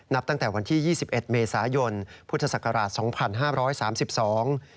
ตั้งแต่วันที่ยี่สิบเอ็ดเมษายนพุทธศักราชสองพันห้าร้อยสามสิบสอง